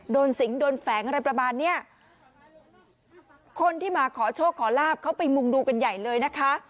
สิงโดนแฝงอะไรประมาณเนี้ยคนที่มาขอโชคขอลาบเขาไปมุงดูกันใหญ่เลยนะคะ